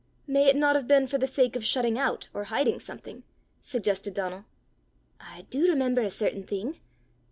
"May it not have been for the sake of shutting out, or hiding something?" suggested Donal. "I do remember a certain thing!